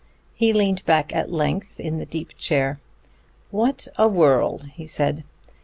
He leaned back at length in the deep chair. "What a world!" he said.